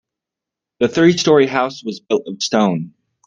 The three story house was built of stone.